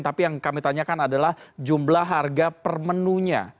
tapi yang kami tanyakan adalah jumlah harga per menunya